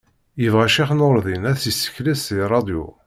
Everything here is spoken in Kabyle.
Yebγa Ccix Nuṛdin a-t-yessekles di ṛṛadyu.